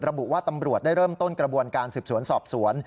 ระบุว่าตำรวจได้เริ่มต้นกระบวนการสืบสวนสอบสวน